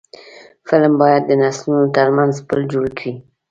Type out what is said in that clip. فلم باید د نسلونو ترمنځ پل جوړ کړي